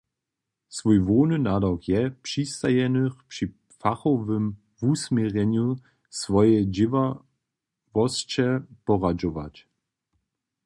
Swój hłowny nadawk je, přistajenych při fachowym wusměrjenju swojeje dźěławosće poradźować.